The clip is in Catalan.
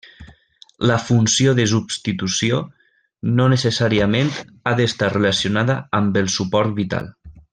La funció de substitució no necessàriament ha d'estar relacionada amb el suport vital.